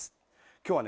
今日はね